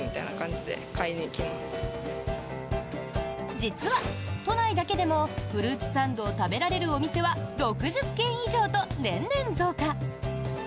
実は、都内だけでもフルーツサンドを食べられるお店は６０軒以上と年々増加。